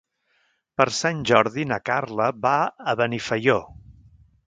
Per Sant Jordi na Carla va a Benifaió.